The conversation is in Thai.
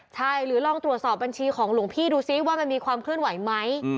ใช่หรือลองตรวจสอบบัญชีของหลวงพี่ดูซิว่ามันมีความเคลื่อนไหวไหม